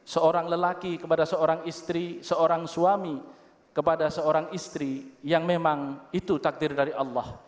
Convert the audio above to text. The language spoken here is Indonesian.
seorang lelaki kepada seorang istri seorang suami kepada seorang istri yang memang itu takdir dari allah